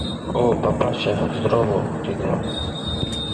— O, papasha, zdorovo! — dedi.